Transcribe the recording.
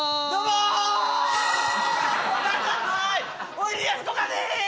おいでやすこがです！